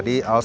nah itu rusty